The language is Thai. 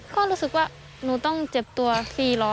ก็รู้สึกว่าหนูต้องเจ็บตัวฟรีเหรอ